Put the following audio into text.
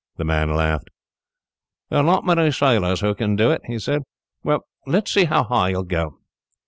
The man laughed. "There are not many sailors who can do it," he said. "Well, let us see how high you will get."